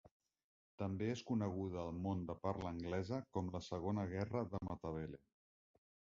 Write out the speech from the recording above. També és coneguda al món de parla anglesa com la Segona Guerra de Matabele.